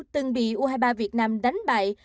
từng bị u hai mươi ba việt nam đánh bại